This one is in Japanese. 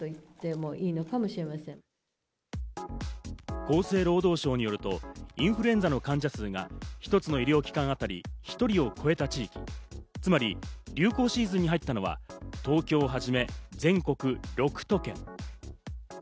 厚生労働省によると、インフルエンザの患者数が一つの医療機関当たり、１人を超えた地域、つまり流行シーズンに入ったのは東京をはじめ全国６都県。